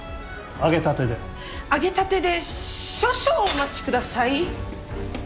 揚げたてで少々お待ちください。